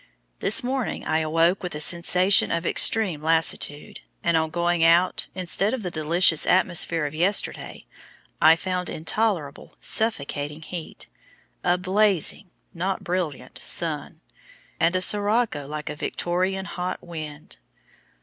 This morning I awoke with a sensation of extreme lassitude, and on going out, instead of the delicious atmosphere of yesterday, I found intolerable suffocating heat, a BLAZING (not BRILLIANT) sun, and a sirocco like a Victorian hot wind.